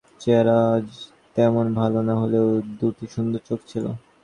চেহারা তেমন ভালো না হলেও দুটি সুন্দর চোখ ছিল।